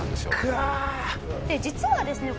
実はですね